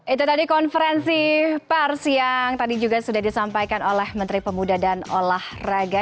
itu tadi konferensi pers yang tadi juga sudah disampaikan oleh menteri pemuda dan olahraga